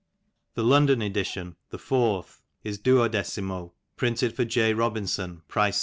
(The London edition, the fourth, is 12mo: printed for J. Robinson, price 6d.)